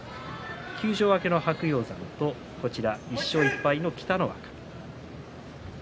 休場明けの白鷹山と１勝１敗の北の若。